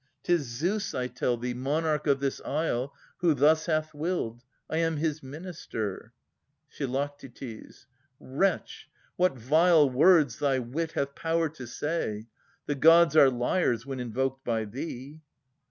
'Tis Zeus, I tell thee, monarch of this isle, Who thus hath willed. I am his minister. Phi. Wretch, what vile words thy wit hath power to say! The gods are liars when invoked by thee.